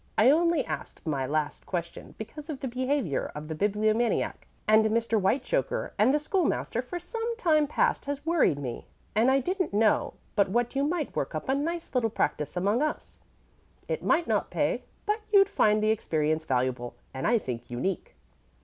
I only asked my last question because the behavior of the Bibliomaniac and Mr. Whitechoker and the School master for some time past has worried me, and I didn't know but what you might work up a nice little practice among us. It might not pay, but you'd find the experience valuable, and I think unique."